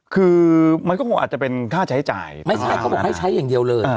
คือมันก็คงอาจจะเป็นค่าใช้จ่ายไม่ใช่เขาบอกให้ใช้อย่างเดียวเลย